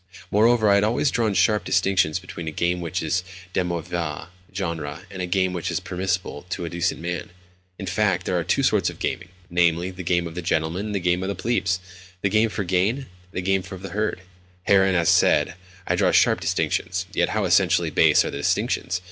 Moreover, I had always drawn sharp distinctions between a game which is de mauvais genre and a game which is permissible to a decent man. In fact, there are two sorts of gaming—namely, the game of the gentleman and the game of the plebs—the game for gain, and the game of the herd. Herein, as said, I draw sharp distinctions. Yet how essentially base are the distinctions!